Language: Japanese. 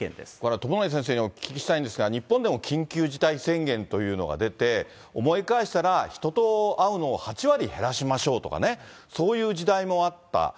友成先生にお聞きしたいんですが、日本でも緊急事態宣言というのが出て、思い返したら人と会うのを８割減らしましょうとかね、そういう時代もあった。